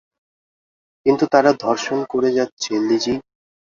কিন্তু তারা ধর্ষণ করে যাচ্ছে, লিজি।